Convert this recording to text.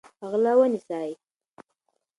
غله ونیسئ.